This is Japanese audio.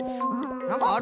なんかある？